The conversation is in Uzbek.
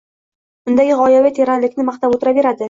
undagi g‘oyaviy teranlikni maqtab o‘tiraveradi.